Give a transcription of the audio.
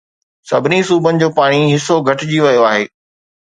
سڀني صوبن جو پاڻي حصو گهٽجي ويو آهي